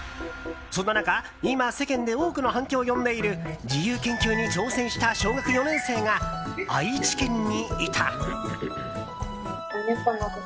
そんな中、今世間で多くの反響を呼んでいる自由研究に挑戦した小学４年生が愛知県にいた。